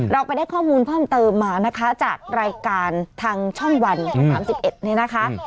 เราไปได้ข้อมูลเพิ่มเติมมานะคะจากรายการทางช่องวันช่อง๓๑นี่นะคะ